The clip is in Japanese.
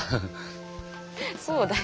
そうだよ。